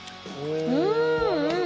うん！